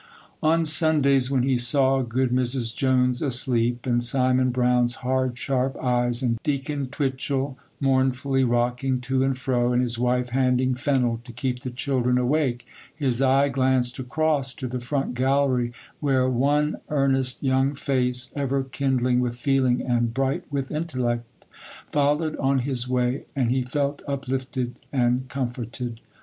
On Sundays, when he saw good Mrs. Jones asleep, and Simon Brown's hard, sharp eyes, and Deacon Twitchel mournfully rocking to and fro, and his wife handing fennel to keep the children awake, his eye glanced across to the front gallery, where one earnest young face, ever kindling with feeling and bright with intellect, followed on his way, and he felt uplifted and comforted.